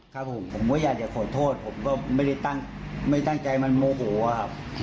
ครับผมผมก็อยากจะขอโทษผมก็ไม่ได้ตั้งไม่ตั้งใจมันโมโหครับ